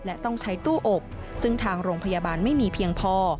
และต้องใช้ตู้อบซึ่งทางโรงพยาบาลไม่มีเพียงพอ